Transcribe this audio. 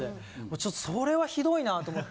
ちょっとそれはひどいなと思って。